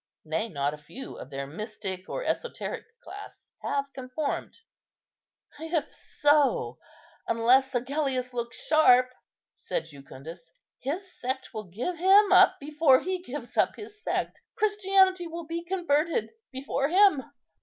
Nay, not a few of their mystic or esoteric class have conformed." "If so, unless Agellius looks sharp," said Jucundus, "his sect will give him up before he gives up his sect. Christianity will be converted before him."